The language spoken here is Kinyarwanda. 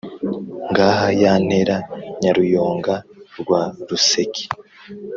ngaha yantera nyaruyonga rwa ruseke,